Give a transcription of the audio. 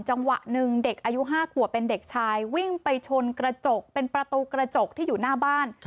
จังหวะหนึ่งเด็กอายุ๕ขวบเป็นเด็กชายวิ่งไปชนกระจกเป็นประตูกระจกที่อยู่หน้าบ้าน